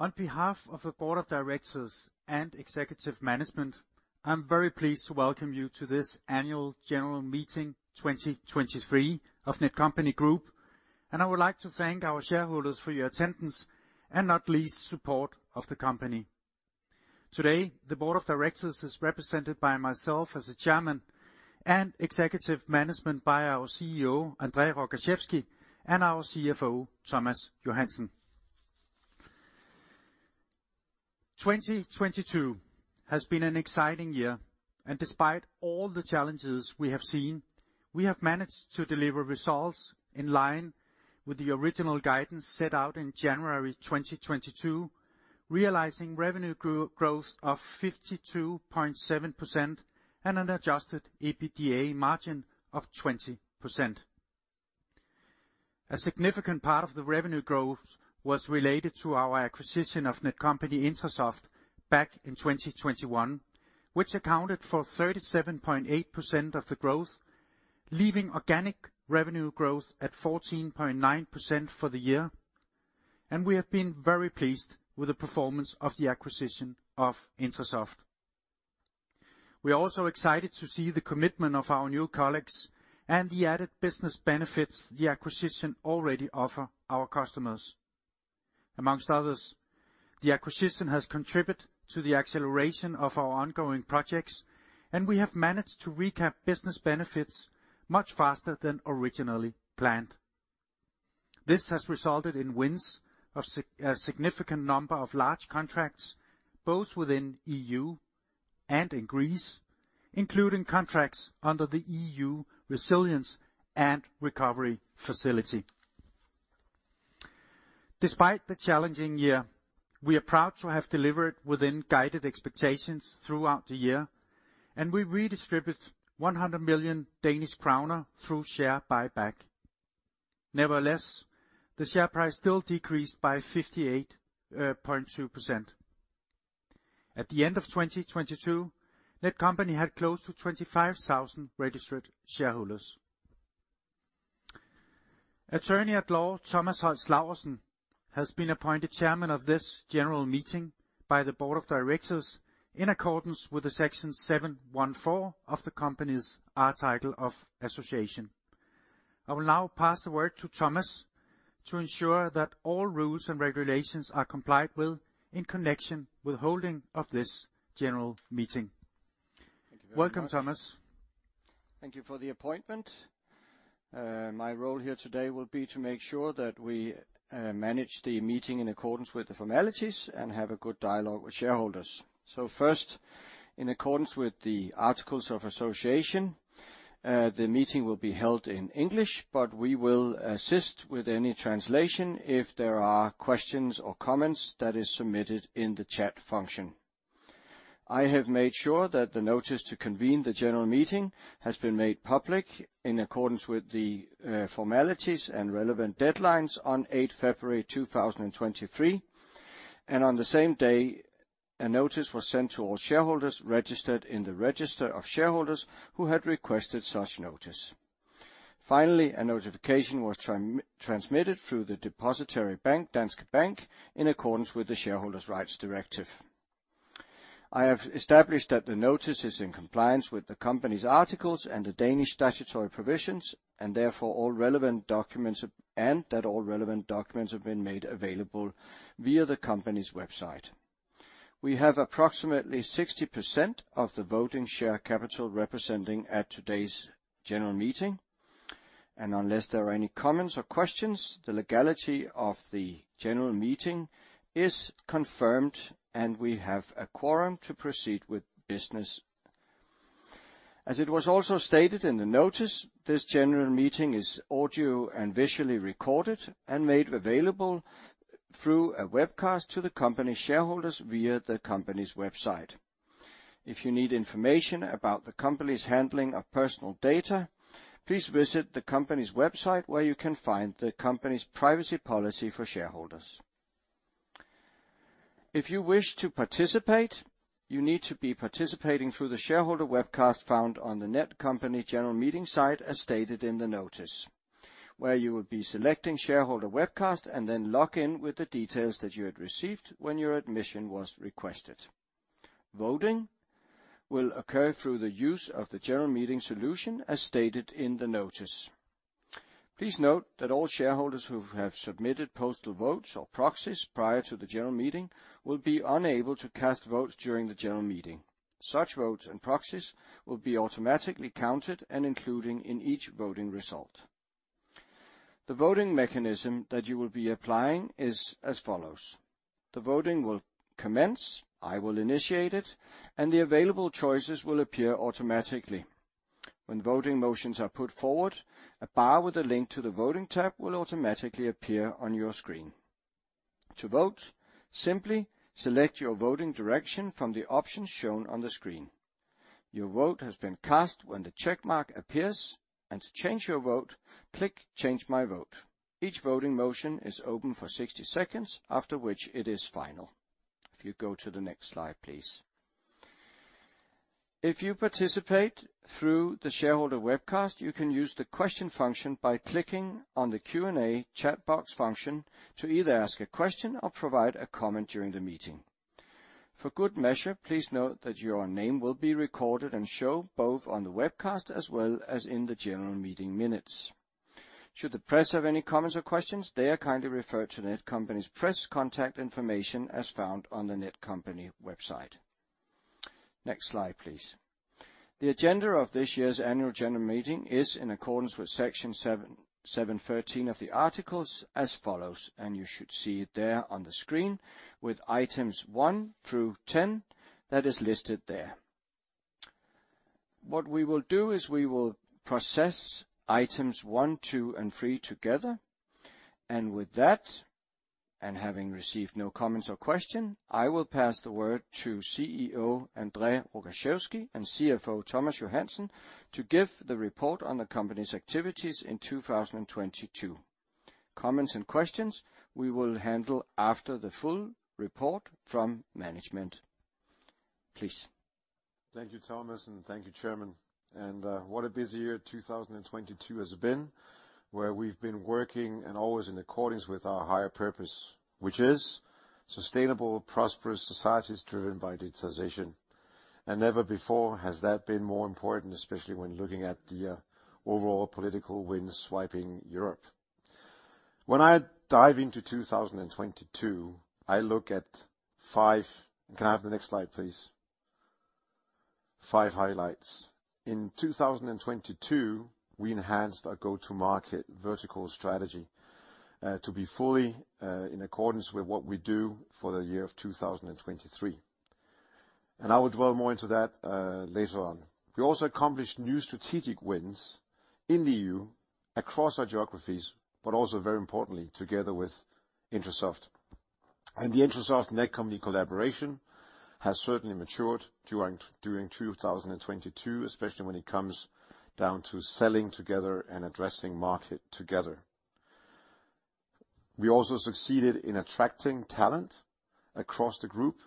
On behalf of the Board of Directors and executive management, I'm very pleased to welcome you to this annual general meeting 2023 of Netcompany Group. I would like to thank our shareholders for your attendance, and not least support of the company. Today, the board of directors is represented by myself as the chairman and executive management by our CEO, André Rogaczewski, and our CFO, Thomas Johansen. 2022 has been an exciting year, and despite all the challenges we have seen, we have managed to deliver results in line with the original guidance set out in January 2022, realizing revenue growth of 52.7% and an adjusted EBITDA margin of 20%. A significant part of the revenue growth was related to our acquisition of Netcompany-Intrasoft back in 2021, which accounted for 37.8% of the growth, leaving organic revenue growth at 14.9% for the year. We have been very pleased with the performance of the acquisition of Intrasoft. We are also excited to see the commitment of our new colleagues and the added business benefits the acquisition already offer our customers. Amongst others, the acquisition has contributed to the acceleration of our ongoing projects, and we have managed to recap business benefits much faster than originally planned. This has resulted in wins of a significant number of large contracts, both within EU and in Greece, including contracts under the EU Recovery and Resilience Facility. Despite the challenging year, we are proud to have delivered within guided expectations throughout the year, and we redistribute 100 million Danish kroner through share buyback. Nevertheless, the share price still decreased by 58.2%. At the end of 2022, Netcompany had close to 25,000 registered shareholders. Attorney-at-Law, Thomas Holst Laursen, has been appointed Chairman of this general meeting by the Board of Directors in accordance with Section 714 of the company's Articles of Association. I will now pass the word to Thomas to ensure that all rules and regulations are complied with in connection with holding of this general meeting. Thank you very much. Welcome, Thomas. Thank you for the appointment. My role here today will be to make sure that we manage the meeting in accordance with the formalities and have a good dialogue with shareholders. First, in accordance with the Articles of Association, the meeting will be held in English, but we will assist with any translation if there are questions or comments that is submitted in the chat function. I have made sure that the notice to convene the general meeting has been made public in accordance with the formalities and relevant deadlines on 8 February 2023. On the same day, a notice was sent to all shareholders registered in the register of shareholders who had requested such notice. Finally, a notification was transmitted through the depository bank, Danske Bank, in accordance with the Shareholder Rights Directive. I have established that the notice is in compliance with the company's articles and the Danish statutory provisions, that all relevant documents have been made available via the company's website. We have approximately 60% of the voting share capital representing at today's general meeting. Unless there are any comments or questions, the legality of the general meeting is confirmed, and we have a quorum to proceed with business. As it was also stated in the notice, this general meeting is audio and visually recorded and made available through a webcast to the company shareholders via the company's website. If you need information about the company's handling of personal data, please visit the company's website where you can find the company's privacy policy for shareholders. If you wish to participate, you need to be participating through the shareholder webcast found on the Netcompany general meeting site as stated in the notice, where you will be selecting shareholder webcast and then log in with the details that you had received when your admission was requested. Voting will occur through the use of the general meeting solution as stated in the notice. Please note that all shareholders who have submitted postal votes or proxies prior to the general meeting will be unable to cast votes during the general meeting. Such votes and proxies will be automatically counted and including in each voting result. The voting mechanism that you will be applying is as follows. The voting will commence, I will initiate it, and the available choices will appear automatically. When voting motions are put forward, a bar with a link to the voting tab will automatically appear on your screen. To vote, simply select your voting direction from the options shown on the screen. Your vote has been cast when the check mark appears, and to change your vote, click Change My Vote. Each voting motion is open for 60 seconds, after which it is final. If you go to the next slide, please. If you participate through the shareholder webcast, you can use the question function by clicking on the Q&A chat box function to either ask a question or provide a comment during the meeting. For good measure, please note that your name will be recorded and shown both on the webcast as well as in the general meeting minutes. Should the press have any comments or questions, they are kindly referred to Netcompany's press contact information as found on the Netcompany website. Next slide, please. The agenda of this year's annual general meeting is in accordance with section 713 of the articles as follows, and you should see it there on the screen with items 1-10 that is listed there. What we will do is we will process items one, two, and three together. With that, and having received no comments or question, I will pass the word to CEO André Rogaczewski and CFO Thomas Johansen to give the report on the company's activities in 2022. Comments and questions we will handle after the full report from management. Please. Thank you, Thomas, thank you, Chairman. What a busy year 2022 has been, where we've been working and always in accordance with our higher purpose, which is sustainable, prosperous societies driven by digitalization. Never before has that been more important, especially when looking at the overall political winds swiping Europe. When I dive into 2022, I look at five. Can I have the next slide, please? Five highlights. In 2022, we enhanced our go-to-market vertical strategy to be fully in accordance with what we do for the year of 2023. I will dwell more into that later on. We also accomplished new strategic wins in the EU across our geographies, but also very importantly, together with Intrasoft. The Intrasoft-Netcompany collaboration has certainly matured during 2022, especially when it comes down to selling together and addressing market together. We also succeeded in attracting talent across the group,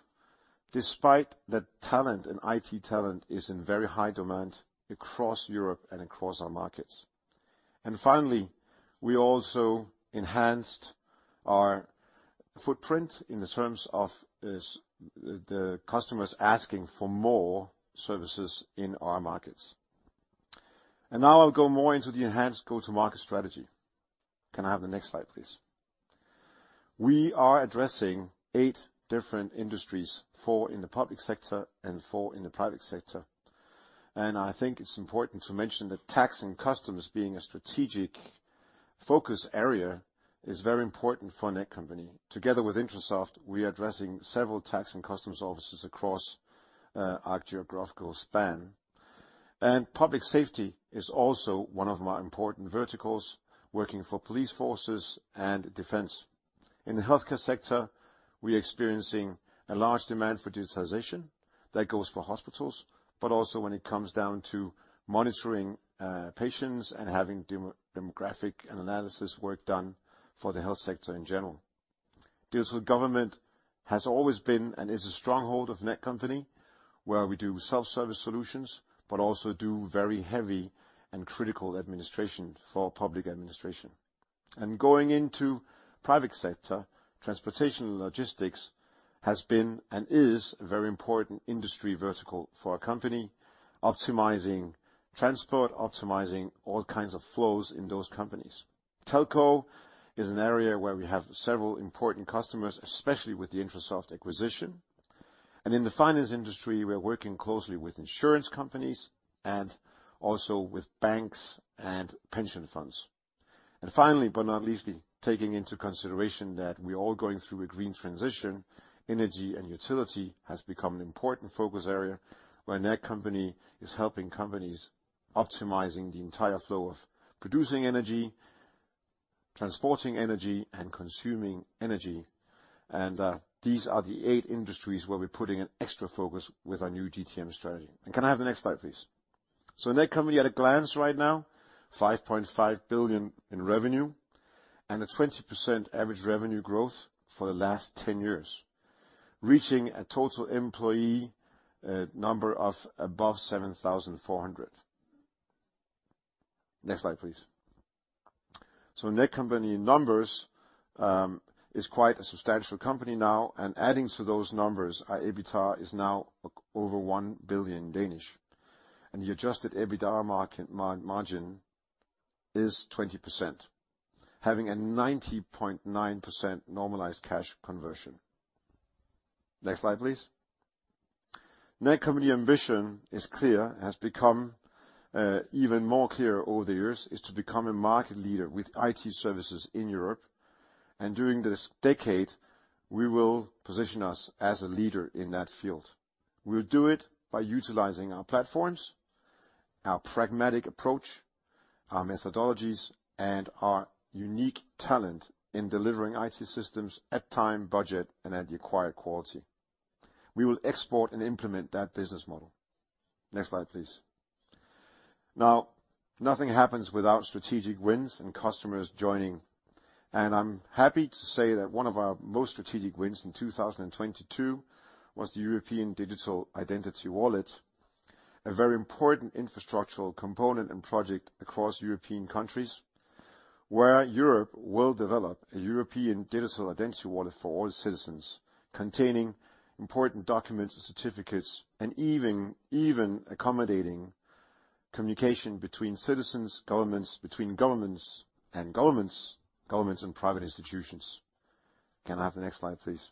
despite that talent and IT talent is in very high demand across Europe and across our markets. Finally, we also enhanced our footprint in the terms of the customers asking for more services in our markets. Now I'll go more into the enhanced go-to-market strategy. Can I have the next slide, please? We are adressing eight different industries, four in the public sector and four in the private sector. I think it's important to mention that tax and customs being a strategic focus area is very important for Netcompany. Together with Intrasoft, we are addressing several tax and customs offices across our geographical span. Public safety is also one of my important verticals, working for police forces and defense. In the healthcare sector, we're experiencing a large demand for digitalization. That goes for hospitals, but also when it comes down to monitoring patients and having demographic and analysis work done for the health sector in general. Deals with government has always been and is a stronghold of Netcompany, where we do self-service solutions, but also do very heavy and critical administration for public administration. Going into private sector, transportation and logistics has been and is a very important industry vertical for our company, optimizing transport, optimizing all kinds of flows in those companies. Telco is an area where we have several important customers, especially with the Intrasoft acquisition. In the finance industry, we are working closely with insurance companies and also with banks and pension funds. Finally but not least, taking into consideration that we are all going through a green transition, energy, and utility has become an important focus area where Netcompany is helping companies optimizing the entire flow of producing energy, transporting energy, and consuming energy. These are the eight industries where we're putting an extra focus with our new GTM strategy. Can I have the next slide, please? Netcompany at a glance right now, 5.5 billion in revenue and a 20% average revenue growth for the last 10 years, reaching a total employee number of above 7,400. Next slide, please. Netcompany numbers is quite a substantial company now, and adding to those numbers, our EBITDA is now over 1 billion. The adjusted EBITDA market margin is 20%, having a 90.9% normalized cash conversion. Next slide, please. Netcompany ambition is clear, has become, even more clear over the years, is to become a market leader with IT services in Europe. During this decade, we will position us as a leader in that field. We'll do it by utilizing our platforms, our pragmatic approach, our methodologies, and our unique talent in delivering IT systems at time, budget, and at the acquired quality. We will export and implement that business model. Next slide, please. Nothing happens without strategic wins and customers joining. I'm happy to say that one of our most strategic wins in 2022 was the European Digital Identity Wallet, a very important infrastructural component and project across European countries, where Europe will develop a European Digital Identity Wallet for all citizens, containing important documents and certificates, and even accommodating communication between citizens, governments, between governments and governments, and private institutions. Can I have the next slide, please?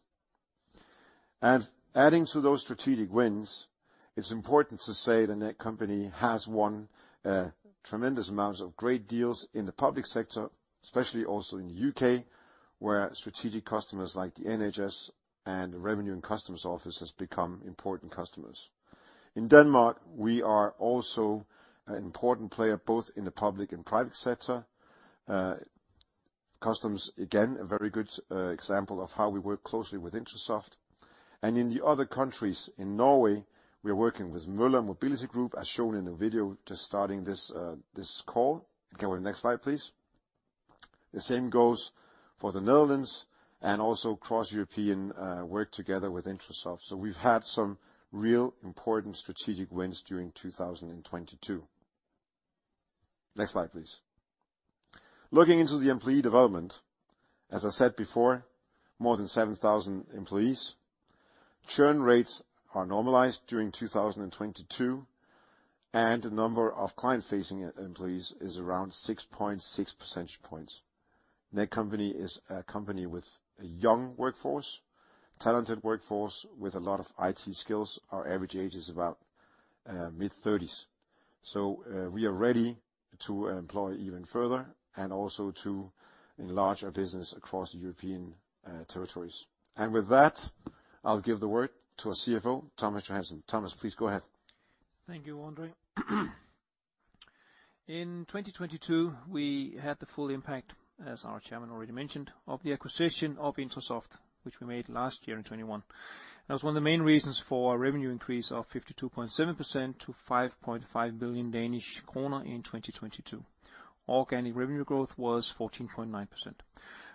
Adding to those strategic wins, it's important to say that Netcompany has won tremendous amounts of great deals in the public sector, especially also in the U.K., where strategic customers like the NHS and the HM Revenue and Customs office has become important customers. In Denmark, we are also an important player, both in the public and private sector. Customs, again, a very good example of how we work closely with Intrasoft. In the other countries, in Norway, we're working with Møller Mobility Group, as shown in the video just starting this call. Can we have the next slide, please? The same goes for the Netherlands and also cross-European work together with Intrasoft. We've had some real important strategic wins during 2022. Next slide, please. Looking into the employee development, as I said before, more than 7,000 employees. Churn rates are normalized during 2022, and the number of client-facing employees is around 6.6 percentage points. Netcompany is a company with a young workforce, talented workforce with a lot of IT skills. Our average age is about mid-thirties. We are ready to employ even further and also to enlarge our business across the European territories. With that, I'll give the word to our CFO, Thomas Johansen. Thomas, please go ahead. Thank you, André. In 2022, we had the full impact, as our chairman already mentioned, of the acquisition of Intrasoft, which we made last year in 2021. That was one of the main reasons for our revenue increase of 52.7% to 5.5 billion Danish kroner in 2022. Organic revenue growth was 14.9%.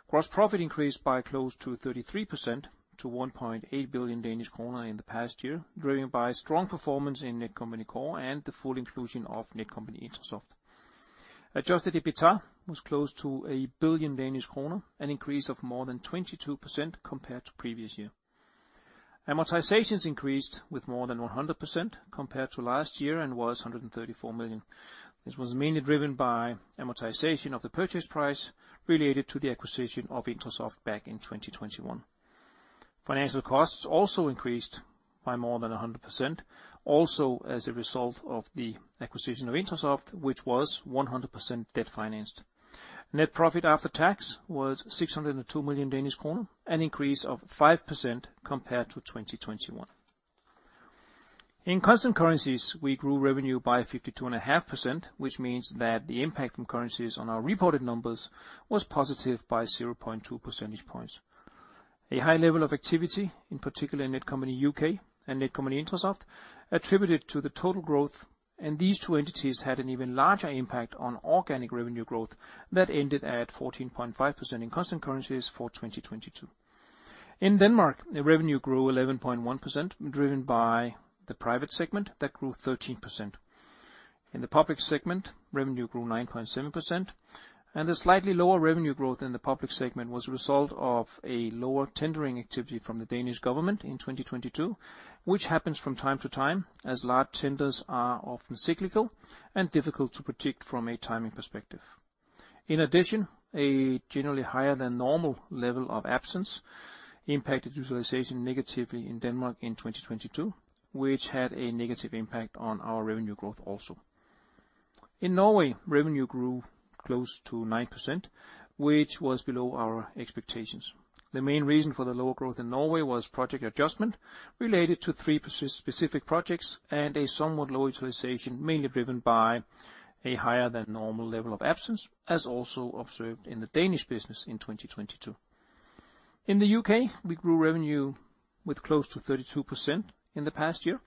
Gross profit increased by close to 33% to 1.8 billion Danish kroner in the past year, driven by strong performance in Netcompany Core and the full inclusion of Netcompany-Intrasoft. Adjusted EBITDA was close to 1 billion Danish kroner, an increase of more than 22% compared to previous year. Amortizations increased with more than 100% compared to last year and was 134 million. This was mainly driven by amortization of the purchase price related to the acquisition of Intrasoft back in 2021. Financial costs also increased by more than 100%, also as a result of the acquisition of Intrasoft, which was 100% debt financed. Net profit after tax was 602 million Danish kroner, an increase of 5% compared to 2021. In constant currencies, we grew revenue by 52.5%, which means that the impact from currencies on our reported numbers was positive by 0.2 percentage points. A high level of activity, in particular Netcompany U.K. and Netcompany-Intrasoft, attributed to the total growth. These two entities had an even larger impact on organic revenue growth that ended at 14.5% in constant currencies for 2022. In Denmark, the revenue grew 11.1%, driven by the private segment that grew 13%. In the public segment, revenue grew 9.7%, and the slightly lower revenue growth in the public segment was a result of a lower tendering activity from the Danish government in 2022, which happens from time to time, as large tenders are often cyclical and difficult to predict from a timing perspective. In addition, a generally higher than normal level of absence impacted utilization negatively in Denmark in 2022, which had a negative impact on our revenue growth also. In Norway, revenue grew close to 9%, which was below our expectations. The main reason for the lower growth in Norway was project adjustment related to three specific projects and a somewhat low utilization, mainly driven by a higher than normal level of absence, as also observed in the Danish business in 2022. In the U.K., we grew revenue with close to 32% in the past year.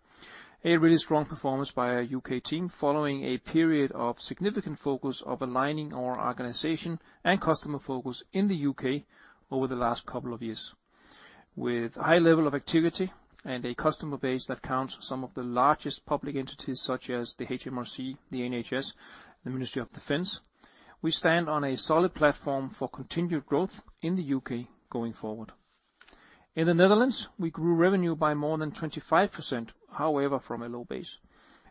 A really strong performance by our U.K. team following a period of significant focus of aligning our organization and customer focus in the U.K. over the last couple of years. With high level of activity and a customer base that counts some of the largest public entities, such as the HMRC, the NHS, the Ministry of Defence, we stand on a solid platform for continued growth in the U.K. going forward. In the Netherlands, we grew revenue by more than 25%, however, from a low base.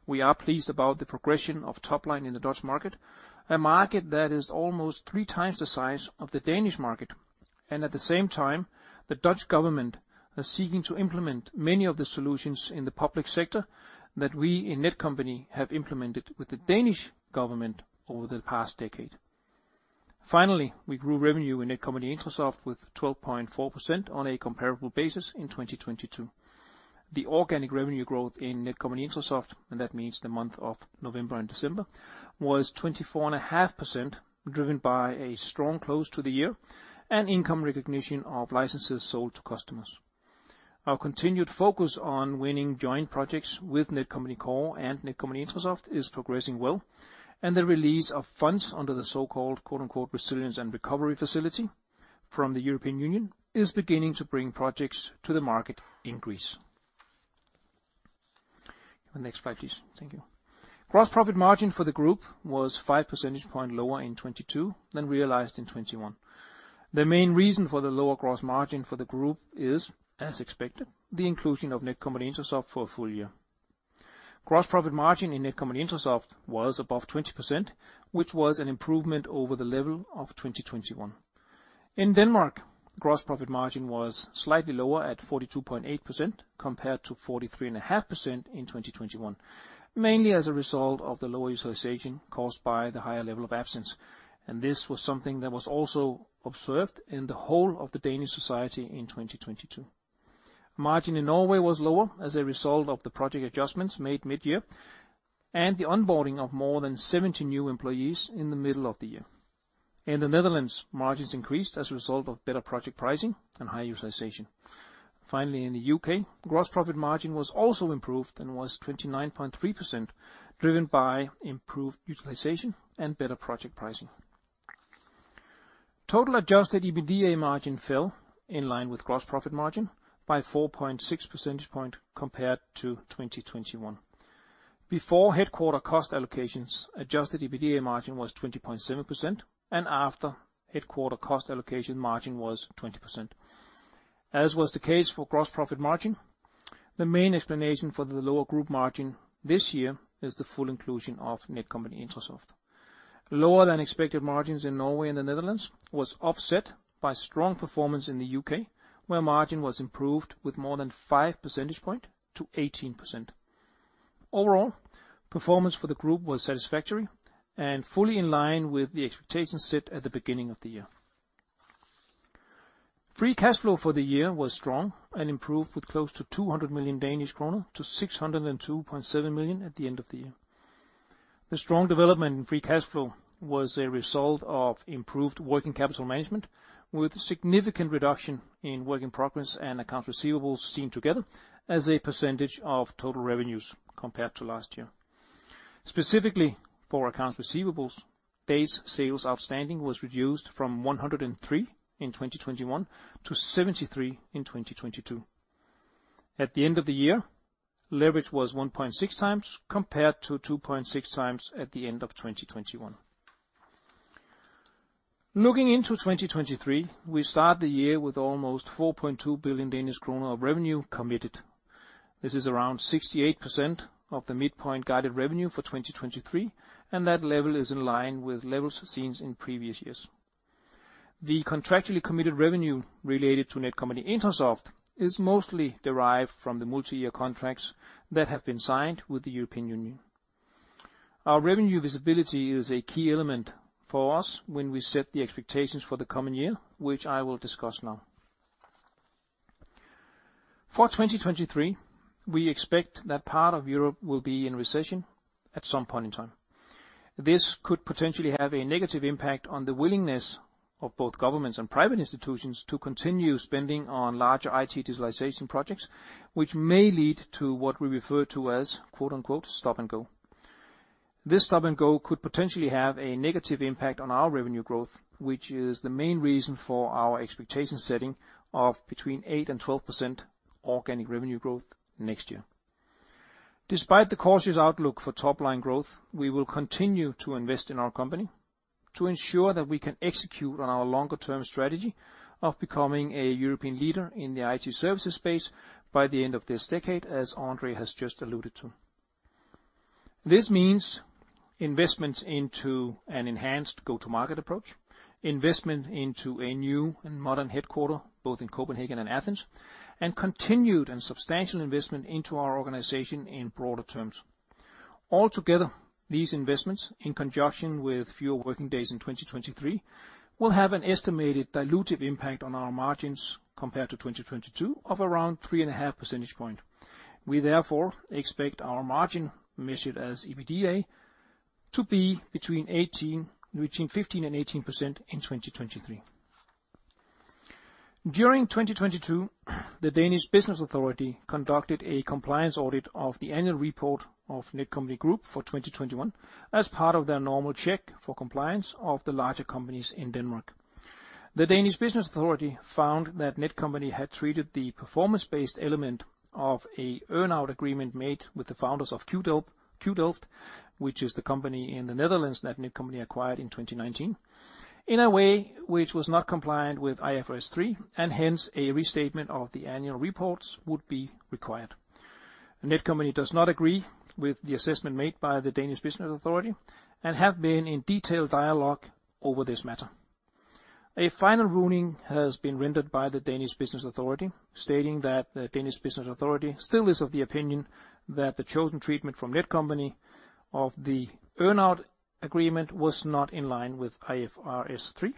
We are pleased about the progression of top line in the Dutch market, a market that is almost 3 times the size of the Danish market. At the same time, the Dutch government are seeking to implement many of the solutions in the public sector that we in Netcompany have implemented with the Danish government over the past decade. We grew revenue in Netcompany-Intrasoft with 12.4% on a comparable basis in 2022. The organic revenue growth in Netcompany-Intrasoft, and that means the month of November and December, was 24.5%, driven by a strong close to the year and income recognition of licenses sold to customers. Our continued focus on winning joint projects with Netcompany Core and Netcompany-Intrasoft is progressing well. The release of funds under the so-called Recovery and Resilience Facility from the European Union is beginning to bring projects to the market increase. The next slide, please. Thank you. Gross profit margin for the group was five percentage point lower in 2022 than realized in 2021. The main reason for the lower gross margin for the group is, as expected, the inclusion of Netcompany-Intrasoft for a full year. Gross profit margin in Netcompany-Intrasoft was above 20%, which was an improvement over the level of 2021. In Denmark, gross profit margin was slightly lower at 42.8% compared to 43.5% in 2021, mainly as a result of the lower utilization caused by the higher level of absence. This was something that was also observed in the whole of the Danish society in 2022. Margin in Norway was lower as a result of the project adjustments made mid-year and the onboarding of more than 70 new employees in the middle of the year. In the Netherlands, margins increased as a result of better project pricing and high utilization. Finally, in the U.K., gross profit margin was also improved and was 29.3%, driven by improved utilization and better project pricing. Total adjusted EBITDA margin fell in line with gross profit margin by 4.6 percentage point compared to 2021. Before headquarter cost allocations, adjusted EBITDA margin was 20.7%, and after headquarter cost allocation margin was 20%. As was the case for gross profit margin, the main explanation for the lower group margin this year is the full inclusion of Netcompany-Intrasoft. Lower than expected margins in Norway and the Netherlands was offset by strong performance in the U.K., where margin was improved with more than five percentage point to 18%. Overall, performance for the group was satisfactory and fully in line with the expectations set at the beginning of the year. Free cash flow for the year was strong and improved with close to 200 million Danish kroner to 602.7 million at the end of the year. The strong development in free cash flow was a result of improved working capital management, with significant reduction in work in progress and accounts receivables seen together as a percentage of total revenues compared to last year. Specifically, for accounts receivables, base sales outstanding was reduced from 103 in 2021 to 73 in 2022. At the end of the year, leverage was 1.6x compared to 2.6x at the end of 2021. Looking into 2023, we start the year with almost 4.2 billion Danish kroner of revenue committed. This is around 68% of the midpoint guided revenue for 2023, and that level is in line with levels seen in previous years. The contractually committed revenue related to Netcompany-Intrasoft is mostly derived from the multi-year contracts that have been signed with the European Union. Our revenue visibility is a key element for us when we set the expectations for the coming year, which I will discuss now. For 2023, we expect that part of Europe will be in recession at some point in time. This could potentially have a negative impact on the willingness of both governments and private institutions to continue spending on large IT digitalization projects, which may lead to what we refer to as quote, unquote, 'stop and go." This stop and go could potentially have a negative impact on our revenue growth, which is the main reason for our expectation setting of between 8% and 12% organic revenue growth next year. Despite the cautious outlook for top-line growth, we will continue to invest in our company to ensure that we can execute on our longer term strategy of becoming a European leader in the IT services space by the end of this decade, as André has just alluded to. This means investments into an enhanced go-to-market approach, investment into a new and modern headquarter, both in Copenhagen and Athens, and continued and substantial investment into our organization in broader terms. Altogether, these investments, in conjunction with fewer working days in 2023, will have an estimated dilutive impact on our margins compared to 2022 of around 3.5 percentage point. We therefore expect our margin measured as EBITDA to be between 15% and 18% in 2023. During 2022, the Danish Business Authority conducted a compliance audit of the annual report of Netcompany Group for 2021 as part of their normal check for compliance of the larger companies in Denmark. The Danish Business Authority found that Netcompany had treated the performance-based element of an earn-out agreement made with the founders of QDelft, which is the company in the Netherlands that Netcompany acquired in 2019, in a way which was not compliant with IFRS 3, and hence, a restatement of the annual reports would be required. Netcompany does not agree with the assessment made by the Danish Business Authority and have been in detailed dialogue over this matter. A final ruling has been rendered by the Danish Business Authority, stating that the Danish Business Authority still is of the opinion that the chosen treatment from Netcompany of the earn-out agreement was not in line with IFRS 3,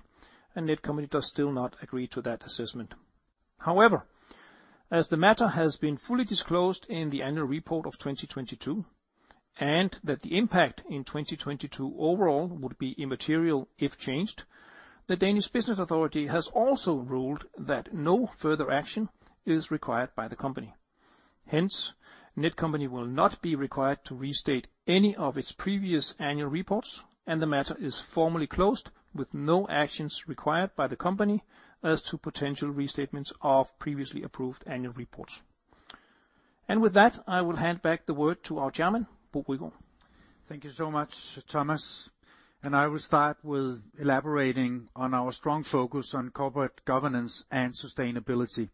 and Netcompany does still not agree to that assessment. However, as the matter has been fully disclosed in the annual report of 2022, and that the impact in 2022 overall would be immaterial if changed. The Danish Business Authority has also ruled that no further action is required by the company. Hence, Netcompany will not be required to restate any of its previous annual reports, and the matter is formally closed with no actions required by the company as to potential restatements of previously approved annual reports. With that, I will hand back the word to our Chairman, Bo Rygaard. Thank you so much, Thomas, I will start with elaborating on our strong focus on corporate governance and sustainability.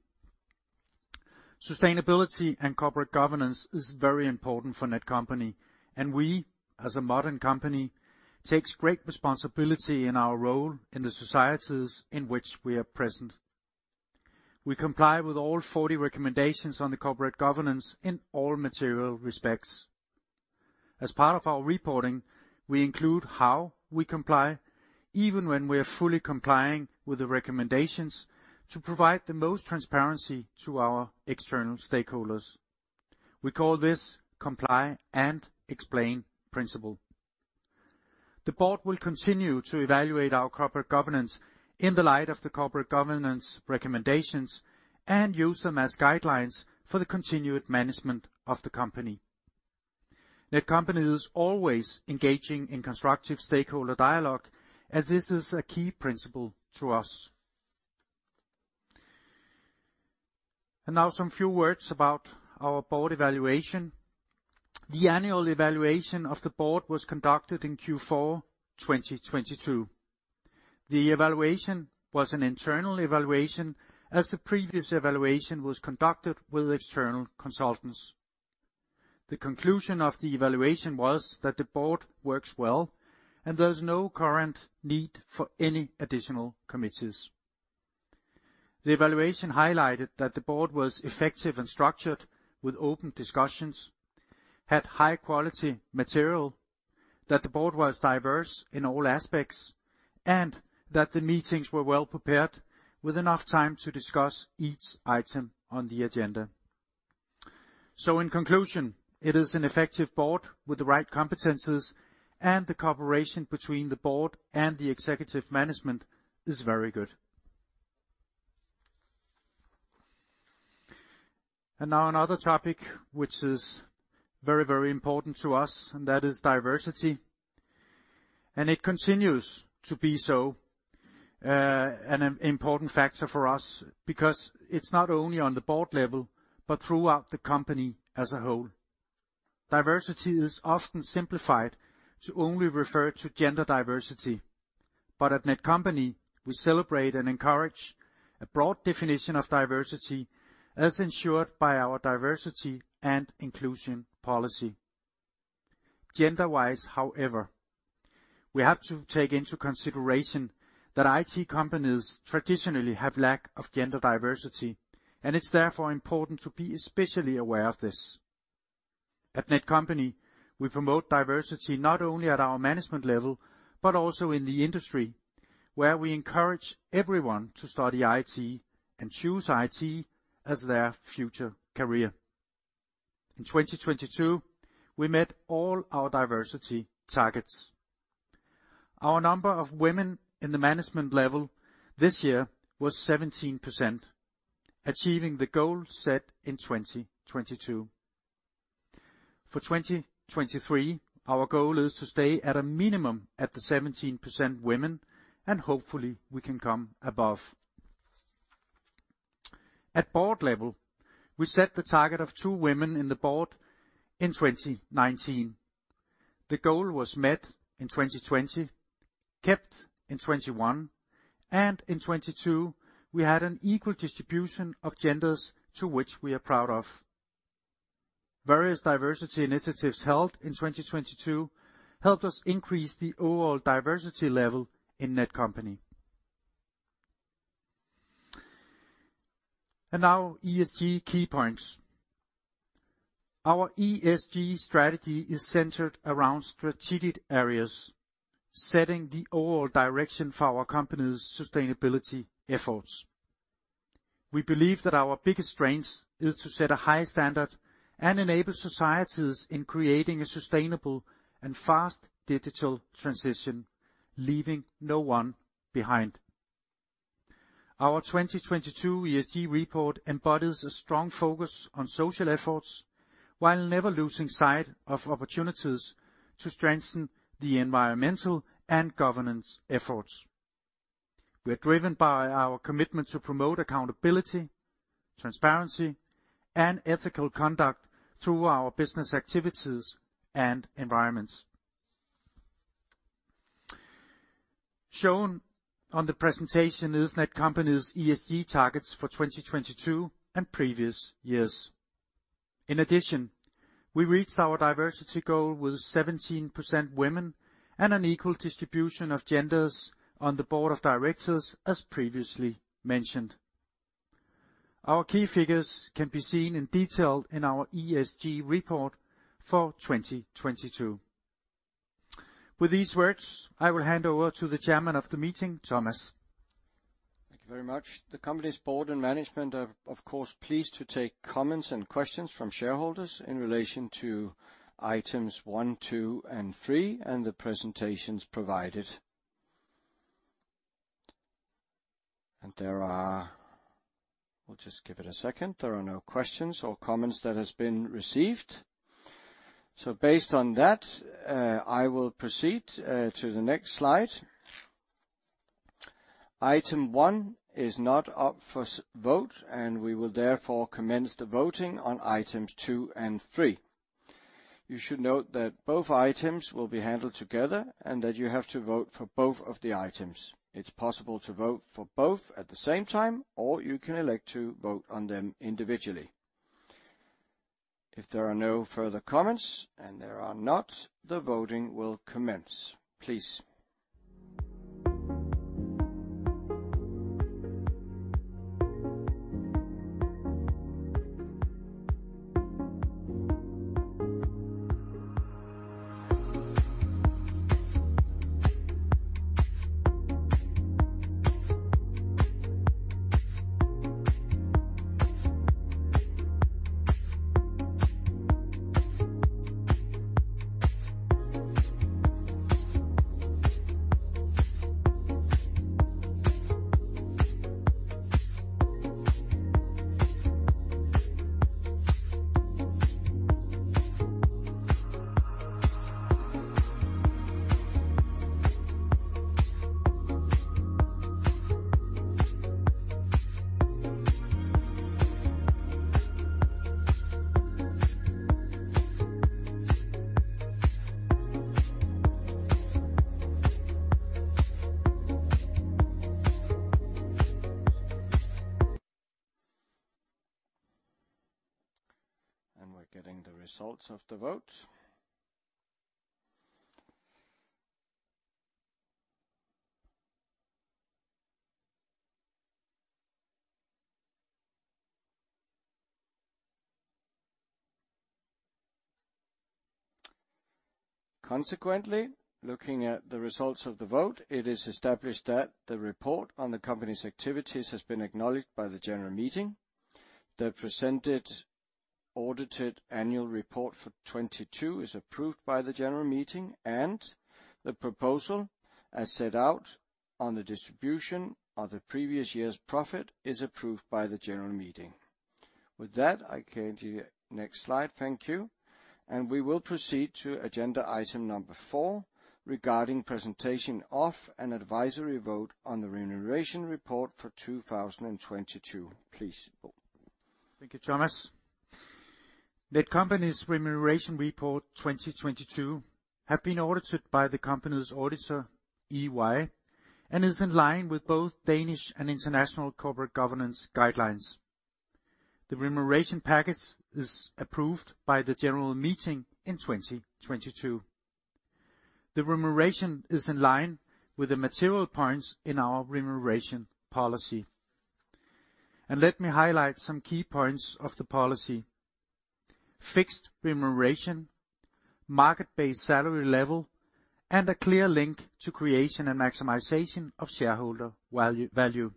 Sustainability and corporate governance is very important for Netcompany, and we, as a modern company, takes great responsibility in our role in the societies in which we are present. We comply with all 40 recommendations on the corporate governance in all material respects. As part of our reporting, we include how we comply, even when we are fully complying with the recommendations to provide the most transparency to our external stakeholders. We call this Comply or Explain principle. The board will continue to evaluate our corporate governance in the light of the corporate governance recommendations and use them as guidelines for the continued management of the company. Netcompany is always engaging in constructive stakeholder dialogue, as this is a key principle to us. Now some few words about our board evaluation. The annual evaluation of the board was conducted in Q4 2022. The evaluation was an internal evaluation, as the previous evaluation was conducted with external consultants. The conclusion of the evaluation was that the board works well and there is no current need for any additional committees. The evaluation highlighted that the board was effective and structured with open discussions, had high quality material, that the board was diverse in all aspects, and that the meetings were well prepared with enough time to discuss each item on the agenda. In conclusion, it is an effective board with the right competencies and the cooperation between the board and the executive management is very good. Now another topic which is very, very important to us, and that is diversity. It continues to be so, an important factor for us because it's not only on the board level, but throughout the company as a whole. Diversity is often simplified to only refer to gender diversity. At Netcompany, we celebrate and encourage a broad definition of diversity, as ensured by our diversity and inclusion policy. Gender-wise, however, we have to take into consideration that IT companies traditionally have lack of gender diversity, and it's therefore important to be especially aware of this. At Netcompany, we promote diversity not only at our management level, but also in the industry, where we encourage everyone to study IT and choose IT as their future career. In 2022, we met all our diversity targets. Our number of women in the management level this year was 17%, achieving the goal set in 2022. For 2023, our goal is to stay at a minimum at the 17% women, hopefully we can come above. At board level, we set the target of two women in the board in 2019. The goal was met in 2020, kept in 2021, in 2022, we had an equal distribution of genders to which we are proud of. Various diversity initiatives held in 2022 helped us increase the overall diversity level in Netcompany. Now ESG key points. Our ESG strategy is centered around strategic areas, setting the overall direction for our company's sustainability efforts. We believe that our biggest strength is to set a high standard and enable societies in creating a sustainable and fast digital transition, leaving no one behind. Our 2022 ESG report embodies a strong focus on social efforts while never losing sight of opportunities to strengthen the environmental and governance efforts. We are driven by our commitment to promote accountability, transparency, and ethical conduct through our business activities and environments. Shown on the presentation is Netcompany's ESG targets for 2022 and previous years. In addition, we reached our diversity goal with 17% women and an equal distribution of genders on the Board of Directors, as previously mentioned. Our key figures can be seen in detail in our ESG report for 2022. With these words, I will hand over to the Chairman of the Meeting, Thomas Holst Laursen. Thank you very much. The company's board and management are, of course, pleased to take comments and questions from shareholders in relation to items one, two, and three and the presentations provided. We'll just give it a second. There are no questions or comments that has been received. Based on that, I will proceed to the next slide. Item one is not up for vote, we will therefore commence the voting on items two and three. You should note that both items will be handled together, that you have to vote for both of the items. It's possible to vote for both at the same time, you can elect to vote on them individually. If there are no further comments, there are not, the voting will commence. Please. We're getting the results of the vote. Consequently, looking at the results of the vote, it is established that the report on the company's activities has been acknowledged by the general meeting. The presented audited annual report for 2022 is approved by the general meeting, and the proposal, as set out on the distribution of the previous year's profit, is approved by the general meeting. With that, I came to the next slide. Thank you. We will proceed to agenda item number four, regarding presentation of an advisory vote on the remuneration report for 2022. Please, Bo. Thank you, Thomas. The company's remuneration report 2022 have been audited by the company's auditor, EY, and is in line with both Danish and international corporate governance guidelines. The remuneration package is approved by the general meeting in 2022. The remuneration is in line with the material points in our remuneration policy. Let me highlight some key points of the policy. Fixed remuneration, market-based salary level, and a clear link to creation and maximization of shareholder value.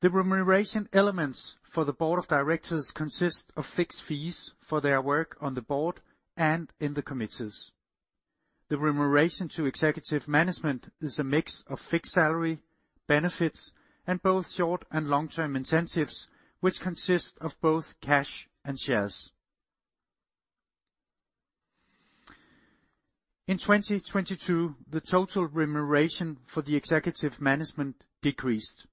The remuneration elements for the board of directors consist of fixed fees for their work on the board and in the committees. The remuneration to executive management is a mix of fixed salary, benefits, and both short and long-term incentives, which consist of both cash and shares. In 2022, the total remuneration for the executive management decreased.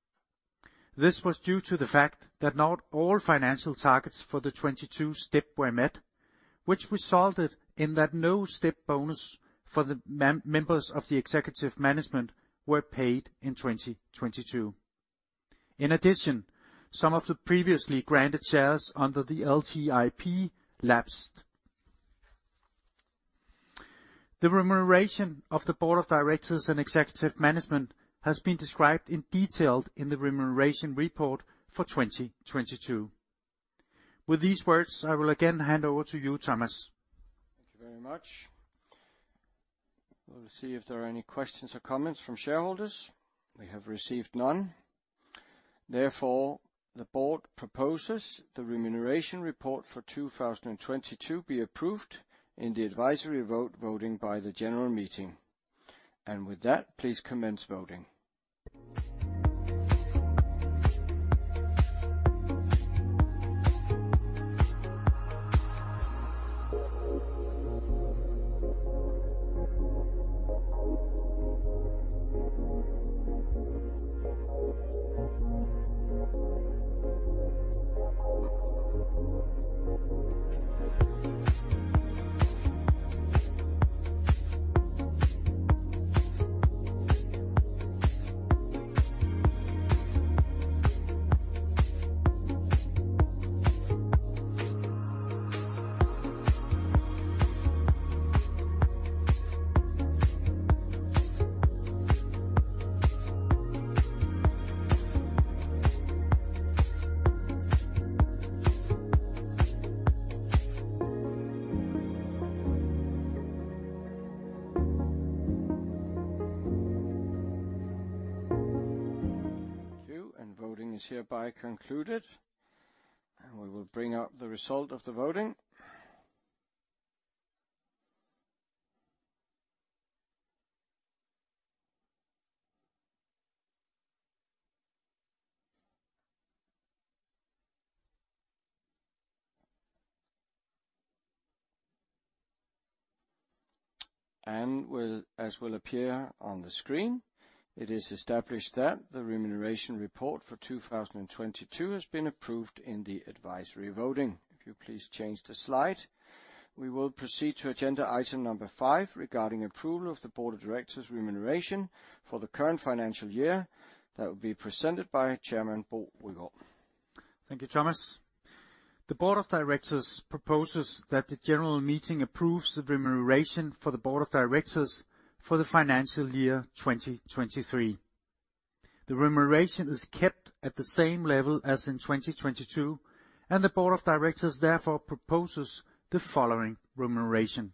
This was due to the fact that not all financial targets for the 2022 step were met, which resulted in that no step bonus for the members of the executive management were paid in 2022. In addition, some of the previously granted shares under the LTIP lapsed. The remuneration of the board of directors and executive management has been described in detailed in the remuneration report for 2022. With these words, I will again hand over to you, Thomas. Thank you very much. We'll see if there are any questions or comments from shareholders. We have received none. Therefore, the board proposes the remuneration report for 2022 be approved in the advisory vote voting by the general meeting. With that, please commence voting. Thank you, voting is hereby concluded. We will bring up the result of the voting. As will appear on the screen, it is established that the remuneration report for 2022 has been approved in the advisory voting. If you please change the slide. We will proceed to agenda item five, regarding approval of the board of directors' remuneration for the current financial year. That will be presented by Chairman Bo Rygaard. Thank you, Thomas. The Board of Directors proposes that the general meeting approves the remuneration for the Board of Directors for the financial year 2023. The remuneration is kept at the same level as in 2022, the Board of Directors therefore proposes the following remuneration.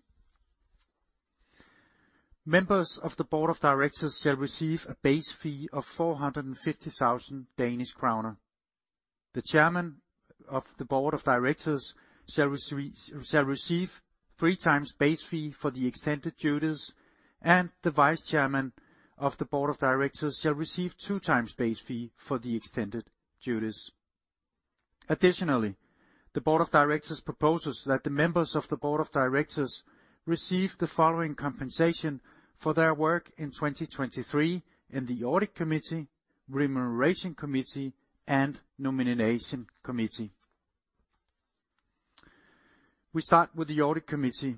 Members of the Board of Directors shall receive a base fee of 450,000 Danish kroner. The Chairman of the Board of Directors shall receive three times base fee for the extended duties, and the Vice Chairman of the Board of Directors shall receive two times base fee for the extended duties. Additionally, the Board of Directors proposes that the members of the Board of Directors receive the following compensation for their work in 2023 in the Audit Committee, Remuneration Committee, and Nomination Committee. We start with the Audit Committee,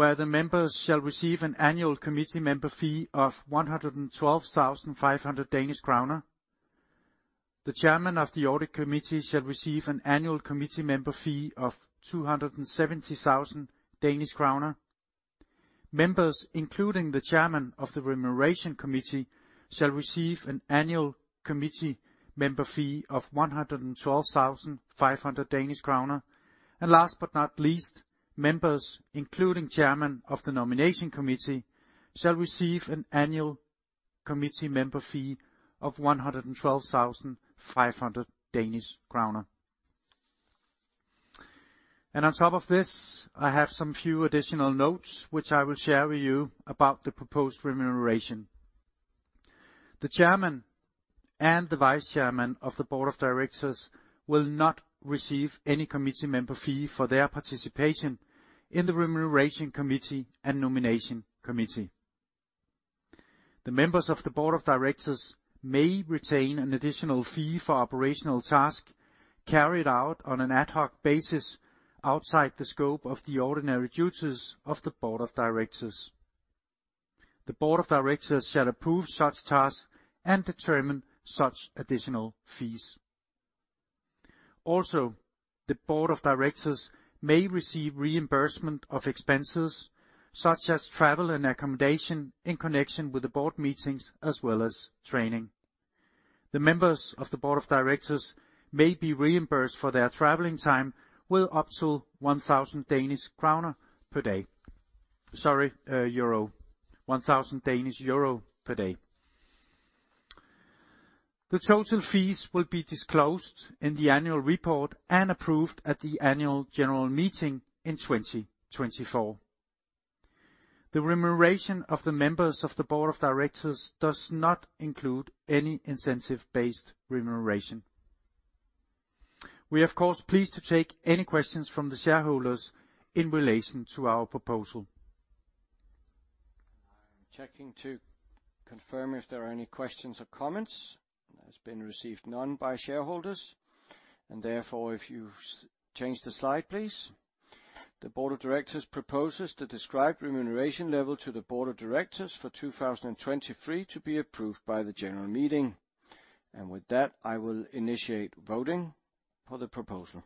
where the members shall receive an annual committee member fee of 112,500 Danish kroner. The chairman of the Audit Committee shall receive an annual committee member fee of 270,000 Danish kroner. Members, including the chairman of the Remuneration Committee, shall receive an annual committee member fee of 112,500 Danish kroner. Last but not least, members including chairman of the Nomination Committee shall receive an annual committee member fee of 112,500 Danish kroner. On top of this, I have some few additional notes which I will share with you about the proposed remuneration. The chairman and the vice chairman of the board of directors will not receive any committee member fee for their participation in the Remuneration Committee and Nomination Committee. The members of the Board of Directors may retain an additional fee for operational task carried out on an ad hoc basis outside the scope of the ordinary duties of the Board of Directors. The Board of Directors shall approve such tasks and determine such additional fees. Also, the Board of Directors may receive reimbursement of expenses such as travel and accommodation in connection with the board meetings as well as training. The members of the Board of Directors may be reimbursed for their traveling time with up to one thousand Danish kroner per day. Sorry, euro. 1,000 euro per day. The total fees will be disclosed in the annual report and approved at the annual general meeting in 2024. The remuneration of the members of the Board of Directors does not include any incentive-based remuneration. We are, of course, pleased to take any questions from the shareholders in relation to our proposal. I'm checking to confirm if there are any questions or comments. There's been received none by shareholders. Therefore, if you change the slide, please. The board of directors proposes the described remuneration level to the board of directors for 2023 to be approved by the general meeting. With that, I will initiate voting for the proposal.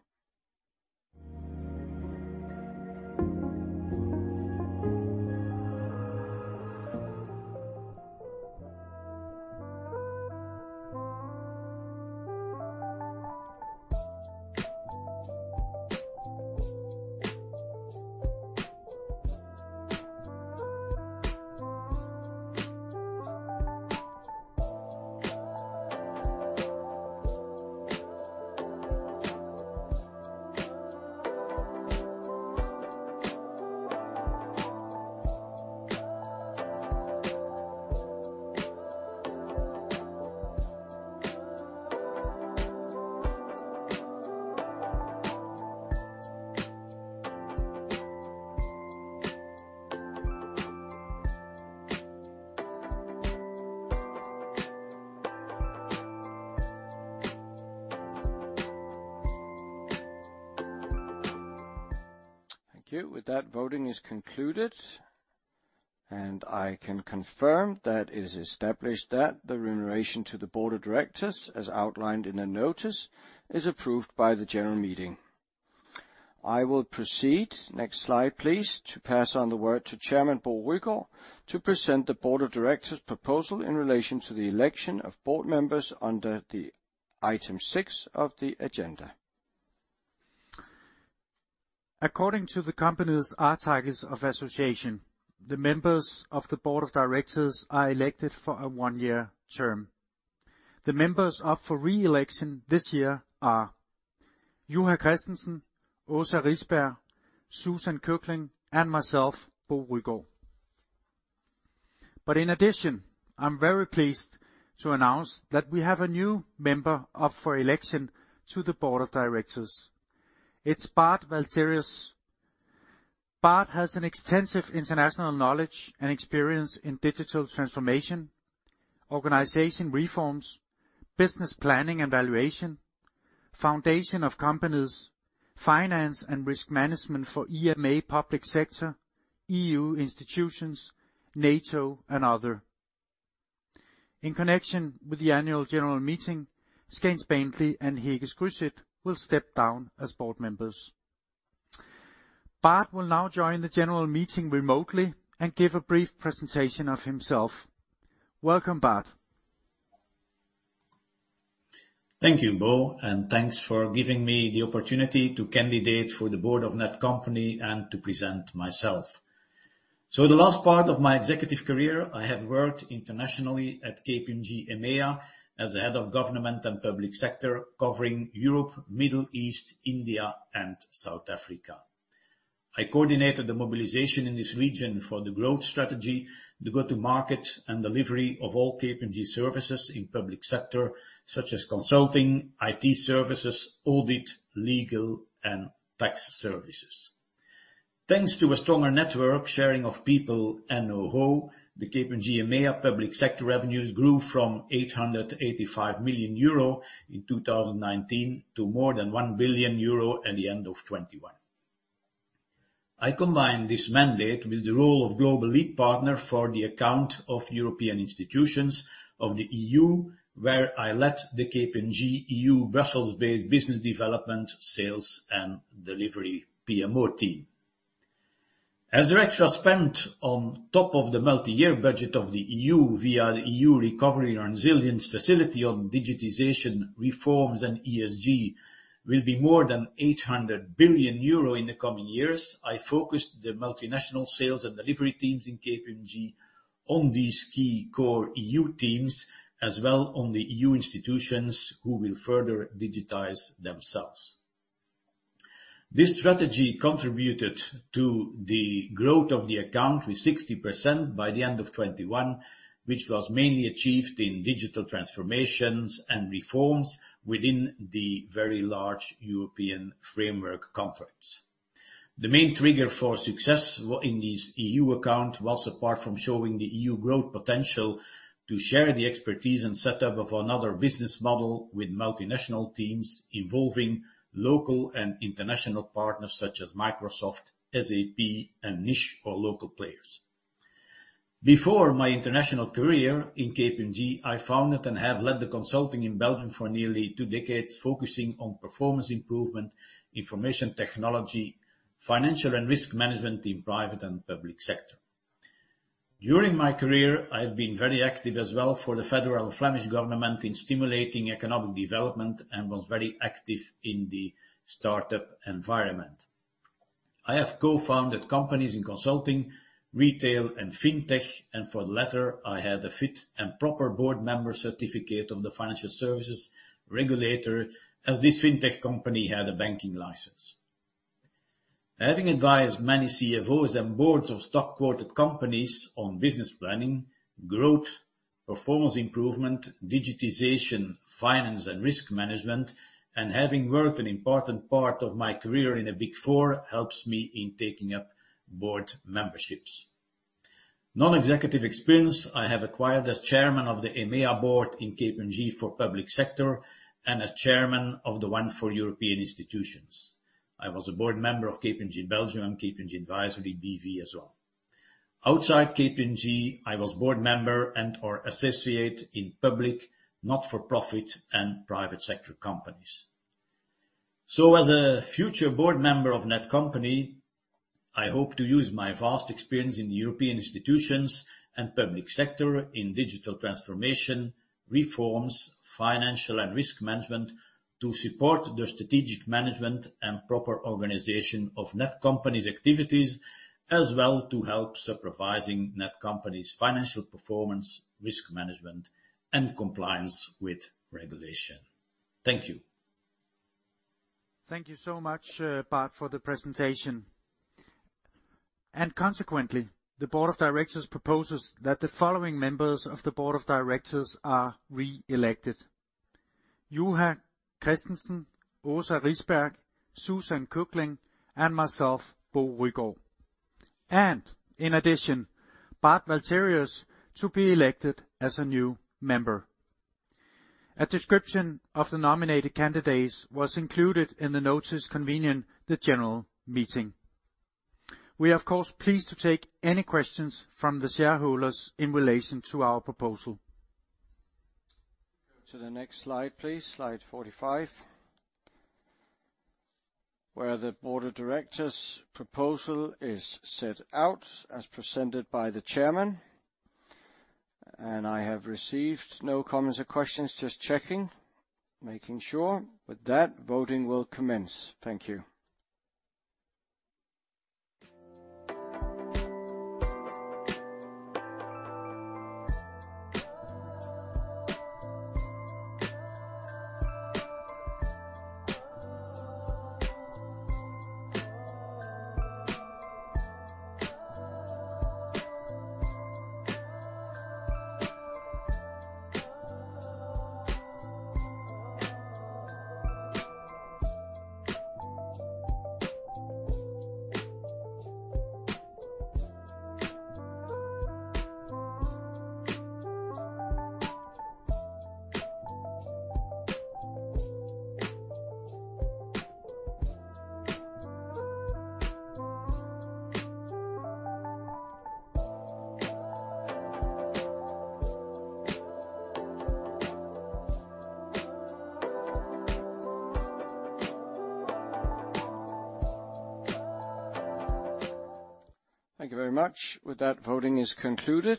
Thank you. With that, voting is concluded. I can confirm that it is established that the remuneration to the board of directors, as outlined in the notice, is approved by the general meeting. I will proceed, next slide, please, to pass on the word to Chairman Bo Rygaard to present the board of directors' proposal in relation to the election of board members under the item 6 of the agenda. According to the company's articles of association, the members of the board of directors are elected for a one-year term. The members up for re-election this year are Juha Christensen, Åsa Riisberg, Susan Cooklin, and myself, Bo Rygaard. In addition, I'm very pleased to announce that we have a new member up for election to the board of directors. It's Bart Walterus. Bart has an extensive international knowledge and experience in digital transformation, organization reforms, business planning and valuation, foundation of companies, finance and risk management for EMEA public sector, EU institutions, NATO, and other. In connection with the annual general meeting, Scanes Bentley and Hege Skryseth will step down as board members. Bart will now join the general meeting remotely and give a brief presentation of himself. Welcome, Bart. Thank you, Bo, thanks for giving me the opportunity to candidate for the board of Netcompany and to present myself. The last part of my executive career, I have worked internationally at KPMG EMEA as the head of government and public sector covering Europe, Middle East, India and South Africa. I coordinated the mobilization in this region for the growth strategy, the go-to-market and delivery of all KPMG services in public sector, such as consulting, IT services, audit, legal and tax services. Thanks to a stronger network, sharing of people and know-how, the KPMG EMEA public sector revenues grew from 885 million euro in 2019 to more than 1 billion euro at the end of 2021. I combine this mandate with the role of global lead partner for the account of European institutions of the EU, where I led the KPMG EU Brussels-based business development, sales and delivery PMO team. As director spent on top of the multi-year budget of the EU via the EU Recovery and Resilience Facility on digitization, reforms and ESG will be more than 800 billion euro in the coming years. I focused the multinational sales and delivery teams in KPMG on these key core EU teams, as well on the EU institutions who will further digitize themselves. This strategy contributed to the growth of the account with 60% by the end of 2021, which was mainly achieved in digital transformations and reforms within the very large European framework conference. The main trigger for success in this EU account was, apart from showing the EU growth potential, to share the expertise and set up of another business model with multinational teams involving local and international partners such as Microsoft, SAP, and niche or local players. Before my international career in KPMG, I founded and have led the consulting in Belgium for nearly two decades, focusing on performance improvement, information technology, financial and risk management in private and public sector. During my career, I have been very active as well for the federal Flemish government in stimulating economic development and was very active in the startup environment. For the latter, I had a fit and proper board member certificate of the financial services regulator as this fintech company had a banking license. Having advised many CFOs and boards of stock-quoted companies on business planning, growth, performance improvement, digitization, finance and risk management, and having worked an important part of my career in a Big Four, helps me in taking up board memberships. Non-executive experience I have acquired as chairman of the EMEA board in KPMG for public sector and as chairman of the one for European institutions. I was a board member of KPMG Belgium, KPMG Advisory N.V. as well. Outside KPMG, I was board member and/or associate in public, not-for-profit, and private sector companies. As a future board member of Netcompany, I hope to use my vast experience in European institutions and public sector in digital transformation, reforms, financial and risk management to support the strategic management and proper organization of Netcompany's activities, as well to help supervising Netcompany's financial performance, risk management, and compliance with regulation. Thank you. Thank you so much, Bart, for the presentation. Consequently, the board of directors proposes that the following members of the board of directors are re-elected. Juha Christensen, Åsa Riisberg, Susan Cooklin, and myself, Bo Rygaard. In addition, Bart Walterus to be elected as a new member. A description of the nominated candidates was included in the notice convening the general meeting. We are of course, pleased to take any questions from the shareholders in relation to our proposal. To the next slide, please. Slide 45, where the board of directors approval is set out as presented by the chairman. I have received no comments or questions, just checking, making sure. With that, voting will commence. Thank you. Thank you very much. With that, voting is concluded,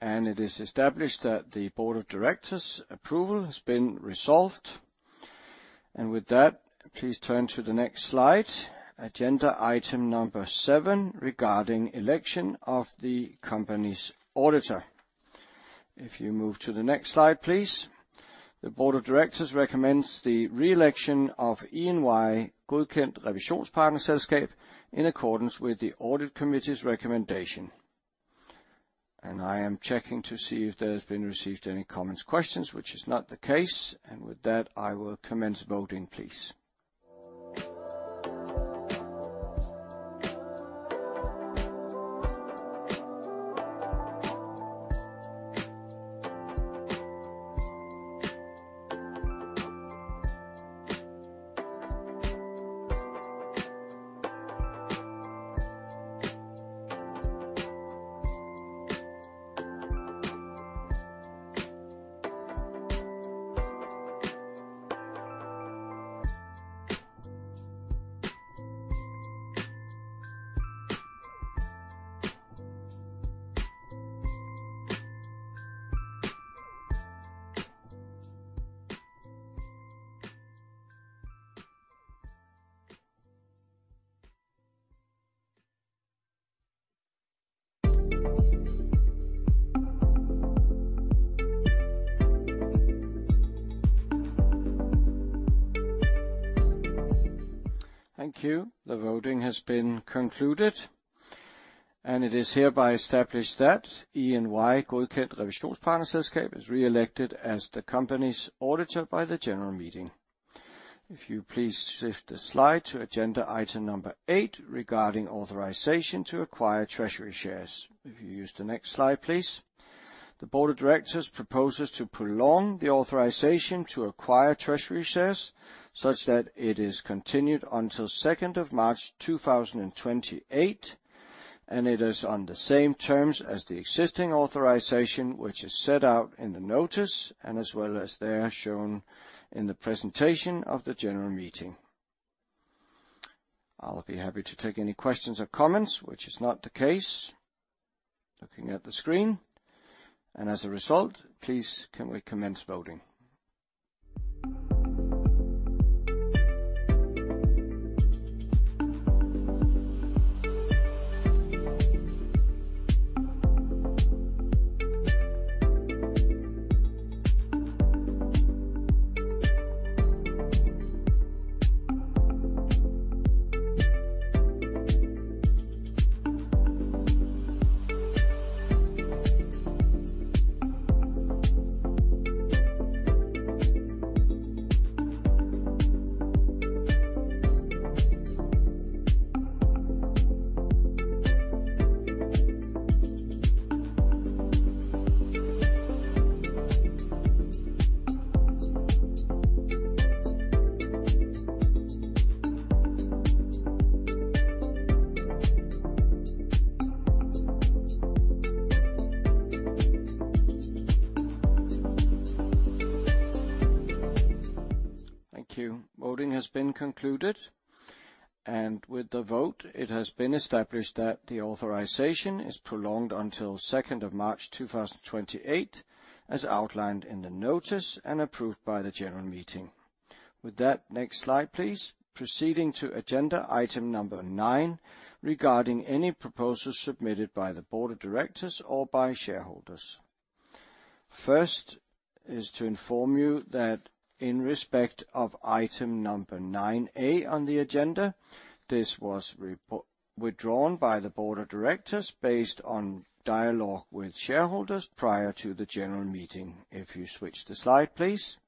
and it is established that the board of directors approval has been resolved. With that, please turn to the next slide, agenda item number seven regarding election of the company's auditor. If you move to the next slide, please. The board of directors recommends the re-election of EY Godkendt Revisionspartnerselskab in accordance with the Audit Committee's recommendation. I am checking to see if there has been received any comments, questions, which is not the case. With that, I will commence voting, please. Thank you. The voting has been concluded, and it is hereby established that EY Godkendt Revisionspartnerselskab is re-elected as the company's auditor by the general meeting. If you please shift the slide to agenda item number eight regarding authorization to acquire treasury shares. If you use the next slide, please. The board of directors proposes to prolong the authorization to acquire treasury shares such that it is continued until 2nd of March 2028, and it is on the same terms as the existing authorization, which is set out in the notice and as well as they are shown in the presentation of the general meeting. I'll be happy to take any questions or comments, which is not the case. Looking at the screen. As a result, please can we commence voting? Thank you. Voting has been concluded. With the vote, it has been established that the authorization is prolonged until 2nd of March 2028, as outlined in the notice and approved by the general meeting. With that, next slide, please. Proceeding to agenda item nine, regarding any proposals submitted by the board of directors or by shareholders. First is to inform you that in respect of item 9 A on the agenda, this was withdrawn by the board of directors based on dialogue with shareholders prior to the general meeting. If you switch the slide, please.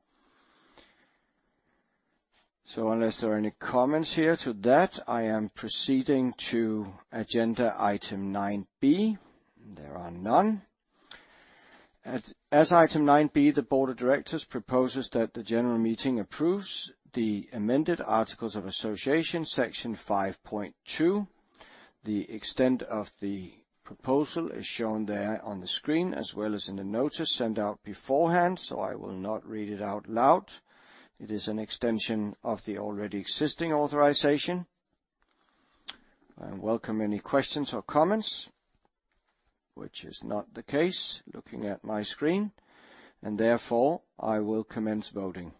Unless there are any comments here to that, I am proceeding to agenda item 9 B. There are none. As item 9B, the board of directors proposes that the general meeting approves the amended articles of association, section 5.2. The extent of the proposal is shown there on the screen, as well as in the notice sent out beforehand, so I will not read it out loud. It is an extension of the already existing authorization. I welcome any questions or comments, which is not the case, looking at my screen, and therefore, I will commence voting.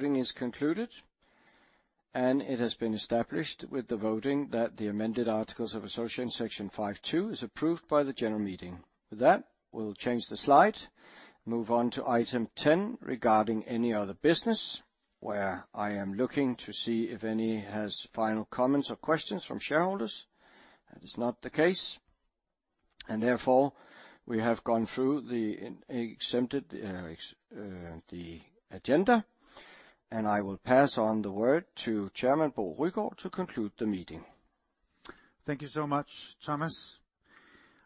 Thank you. Voting is concluded. It has been established with the voting that the amended articles of association section 5.2 is approved by the general meeting. With that, we'll change the slide, move on to item 10 regarding any other business, where I am looking to see if any has final comments or questions from shareholders. That is not the case. We have gone through the agenda, and I will pass on the word to Chairman Bo Rygaard to conclude the meeting. Thank you so much, Thomas.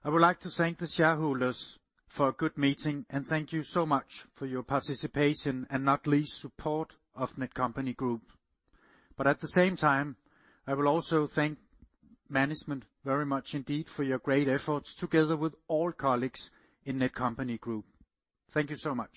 I would like to thank the shareholders for a good meeting. Thank you so much for your participation and not least support of Netcompany Group. At the same time, I will also thank management very much indeed for your great efforts together with all colleagues in Netcompany Group. Thank you so much.